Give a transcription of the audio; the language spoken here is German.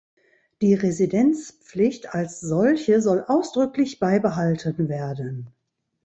Die Residenzpflicht als solche soll ausdrücklich beibehalten werden.